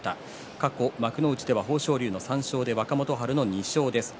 過去、幕内では豊昇龍の３勝若元春の２勝です。